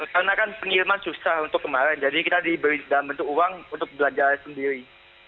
karena kan pengiriman susah untuk kemarin jadi kita diberi dalam bentuk uang untuk belajar sendiri